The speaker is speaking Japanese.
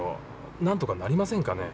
なんとかなりませんかね。